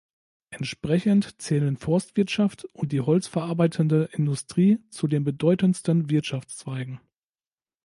Entsprechend zählen Forstwirtschaft und die holzverarbeitende Industrie zu den bedeutendsten Wirtschaftszweigen.